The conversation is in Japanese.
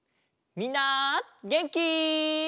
みんなげんき？